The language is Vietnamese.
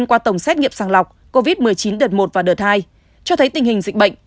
qua tổng xét nghiệm sàng lọc covid một mươi chín đợt một và đợt hai cho thấy tình hình dịch bệnh